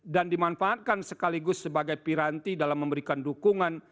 dan dimanfaatkan sekaligus sebagai piranti dalam memberikan dukungan